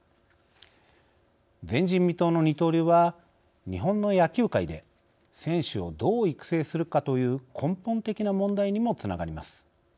前人未踏の二刀流は日本の野球界で選手をどう育成するかという根本的な問題にもつながります。